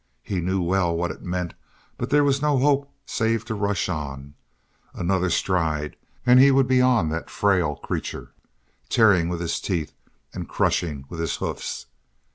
He knew well what it meant but there was no hope save to rush on; another stride and he would be on that frail creature, tearing with his teeth and crushing with his hoofs.